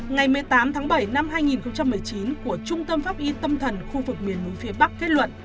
ngày một mươi tám tháng bảy năm hai nghìn một mươi chín của trung tâm pháp y tâm thần khu vực miền núi phía bắc kết luận